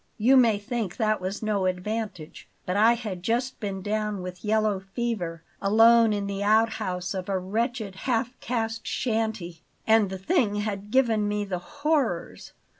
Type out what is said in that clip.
You may think that was no advantage; but I had just been down with yellow fever, alone in the outhouse of a wretched half caste shanty, and the thing had given me the horrors.